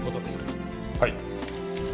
はい。